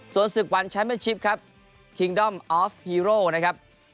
ส่วนศึกวันแชมป์เป็นชิปครับคิงดอมออฟฮีโร่นะครับ